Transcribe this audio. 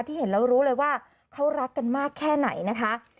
เห็นแล้วรู้เลยว่าเขารักกันมากแค่ไหนนะคะ